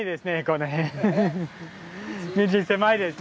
道狭いですね。